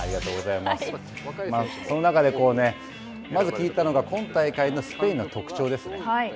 その中で、まず聞いたのが今大会のスペインの特徴ですね。